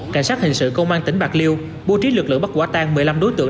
cảnh sát hình sự công an tỉnh bạc liêu bố trí lực lượng bắt quả tan một mươi năm đối tượng